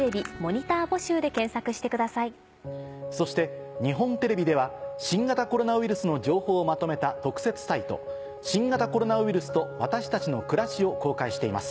そして日本テレビでは新型コロナウイルスの情報をまとめた特設サイト。を公開しています。